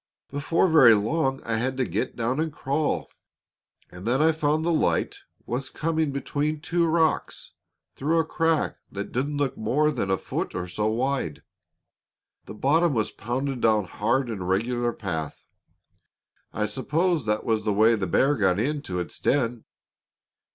Before very long I had to get down and crawl, and then I found the light was coming between two rocks through a crack that didn't look more than a foot or so wide. The bottom was pounded down hard in a regular path; I s'pose that was the way the bear got in to its den.